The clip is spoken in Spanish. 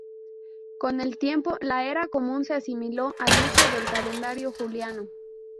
Con el tiempo, la era común se asimiló al uso del calendario juliano.